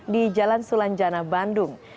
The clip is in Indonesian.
di jalan sulanjana bandung